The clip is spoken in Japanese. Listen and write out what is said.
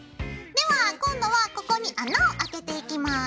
では今度はここに穴をあけていきます。